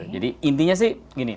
jadi intinya sih gini